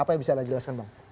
apa yang bisa anda jelaskan bang